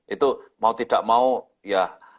itu mau tidak mau ya